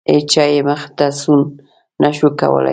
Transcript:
هیچا یې مخې ته سوڼ نه شو کولی.